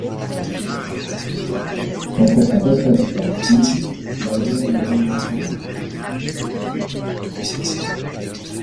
Après sa retraite sportive, Binder devient entraîneur.